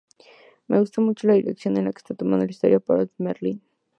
Me gusta mucho la dirección que está tomando la historia para los Merlyn.